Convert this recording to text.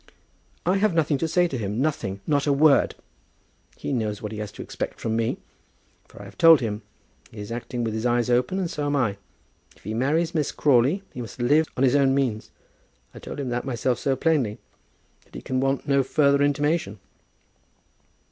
"I have nothing to say to him, nothing; not a word. He knows what he has to expect from me, for I have told him. He is acting with his eyes open, and so am I. If he marries Miss Crawley, he must live on his own means. I told him that myself so plainly, that he can want no further intimation."